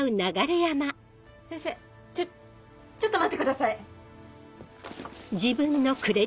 先生ちょっと待ってください。